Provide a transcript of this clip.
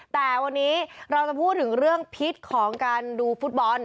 แต่วันนี้เราจะพูดถึงเรื่องพิษของการดูฟุตบอล